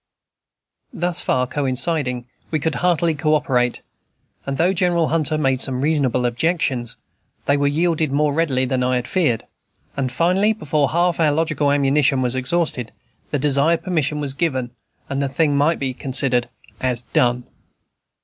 Thus far coinciding, we could heartily co operate; and though General Hunter made some reasonable objections, they were yielded more readily than I had feared; and finally, before half our logical ammunition was exhausted, the desired permission was given, and the thing might be considered as done.